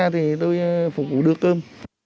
thì tôi phục vụ đưa cơm